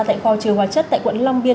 tại kho chứa hoa chất tại quận long biên